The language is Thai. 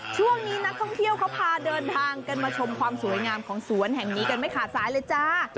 ช่วงนี้นักท่องเที่ยวเขาพาเดินทางกันมาชมความสวยงามของสวนแห่งนี้กันไม่ขาดสายเลยจ้า